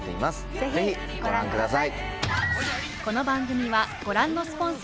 ぜひご覧ください。